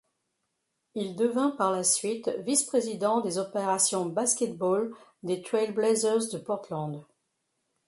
Il devint par la suite Vice-Président des opérations basket-ball des Trail Blazers de Portland.